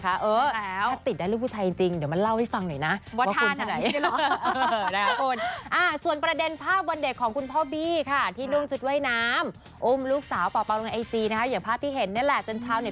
ถ้าติดได้ลูกผู้ชายจริงเดี๋ยวมาเล่าให้ฟังหน่อยนะว่า